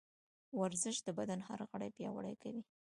ورزش د بدن هر غړی پیاوړی کوي.